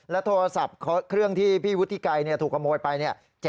โทรศัพท์เครื่องที่พี่วุฒิไกรถูกขโมยไปเนี่ย